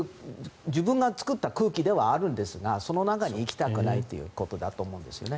自分が作った空気ではあるんですがその中に行きたくないということだと思うんですよね。